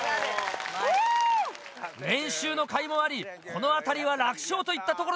練習の甲斐もありこの辺りは楽勝といったところでしょう！